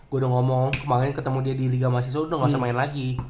gue udah ngomong kemarin ketemu dia di liga mahasiswa udah gak usah main lagi